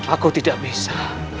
aku tidak bisa